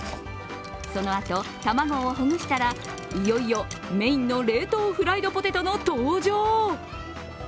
そのあと、卵をほぐしたらいよいよメインの冷凍フライドポテトの登場。